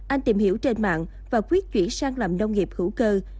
anh tìm hiểu trên mạng và quyết chuyển sang làm nông nghiệp hữu cơ